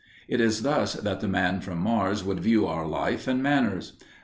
It is thus that the man from Mars would view our life and manners.